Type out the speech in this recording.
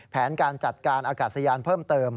แผนการจัดการอากาศยานเพิ่มเติม